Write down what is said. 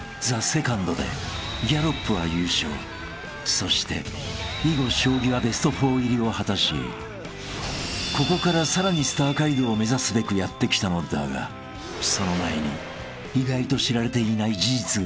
［そして囲碁将棋はベスト４入りを果たしここからさらにスター街道を目指すべくやって来たのだがその前に意外と知られていない事実が発覚する］